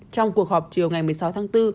trong cuộc họp chiều ngày một mươi sáu tháng bốn